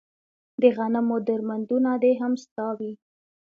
د غنمو درمندونه دې هم ستا وي